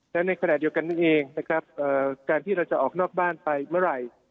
และในขณะเดียวกันนั่นเองนะครับการที่เราจะออกนอกบ้านไปเมื่อไหร่